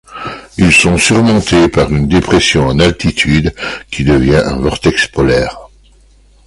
Ils sont surmontés par une dépression en altitude qui devient un vortex polaire.